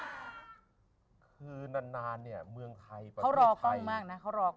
คือนานเนี่ยเมืองไทยประเทศไทย